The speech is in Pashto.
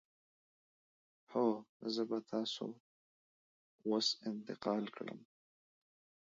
هو، زه به تاسو اوس انتقال کړم.